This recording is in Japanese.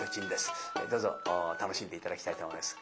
どうぞ楽しんで頂きたいと思います。